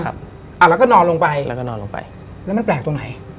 แล้วก็นอนลงไปแล้วก็นอนลงไปแล้วมันแปลกตรงไหน